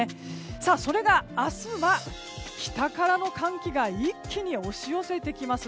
それが明日は北からの寒気が一気に押し寄せてきます。